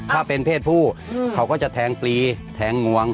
ถ้าเป็นเพศผู้เขาก็จะแทงปลีแทงงวง